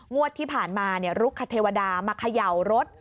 งวดที่ผ่านมาลุกคเทวดามาเขย่ารถ